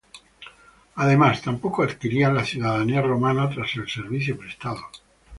Además, tampoco adquirían la ciudadanía romana tras el servicio prestado.